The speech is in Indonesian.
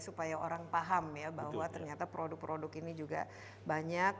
supaya orang paham ya bahwa ternyata produk produk ini juga banyak